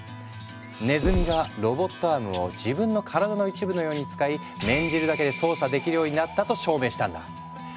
ねずみがロボットアームを自分の体の一部のように使い念じるだけで操作できるようになったと証明したんだ。